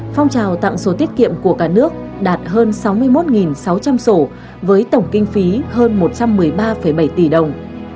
phong trào tặng sổ tiết kiệm của cả nước đạt hơn sáu mươi một sáu trăm linh sổ với tổng kinh phí hơn một trăm một mươi ba bảy tỷ đồng